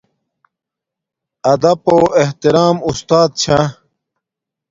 ادپ پو احترام اُستات چھا